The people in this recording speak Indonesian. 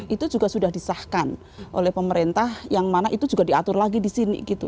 itu juga sudah disahkan oleh pemerintah yang mana itu juga diatur lagi di sini gitu